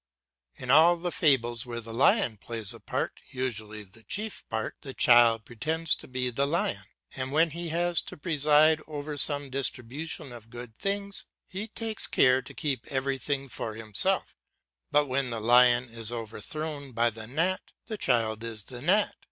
In all the fables where the lion plays a part, usually the chief part, the child pretends to be the lion, and when he has to preside over some distribution of good things, he takes care to keep everything for himself; but when the lion is overthrown by the gnat, the child is the gnat.